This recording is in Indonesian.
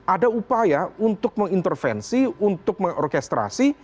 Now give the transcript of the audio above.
ada upaya untuk mengintervensi untuk mengorkestrasi